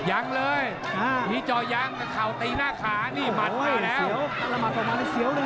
ยังเลยมีจอยางกับข่าวตีหน้าขานี่หมัดมาแล้ว